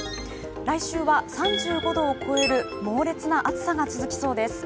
来週は３５度を超える猛烈な暑さが続きそうです。